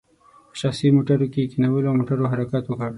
په شخصي موټرو کې یې کینولو او موټرو حرکت وکړ.